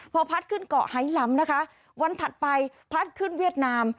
พอพัดขึ้นเกาะไฮล้ำนะคะวันถัดไปพัดขึ้นเวียดนาม